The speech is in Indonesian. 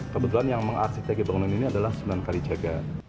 kebetulan yang mengarsitek bangunan ini adalah sunan kalijaga